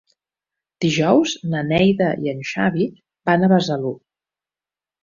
Dijous na Neida i en Xavi van a Besalú.